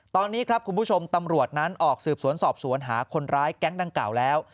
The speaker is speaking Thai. ตอนนี้ครับคุณผู้ชมตำรวจนั้นออกสืบสวนสอบสวนหาคนร้ายแก๊งดังกล่าวแล้ว